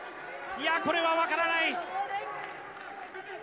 これはわからない。